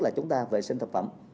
là chúng ta vệ sinh thực phẩm